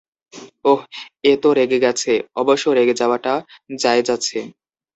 ওহ, এ তো রেগে গেছে, অবশ্য রেগে যাওয়াটা জায়েজ আছে।